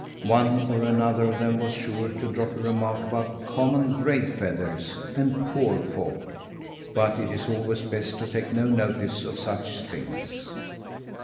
One or another of them was sure to drop a remark about "common gray feathers" and "poor folk." But it is always best to take no notice of such things.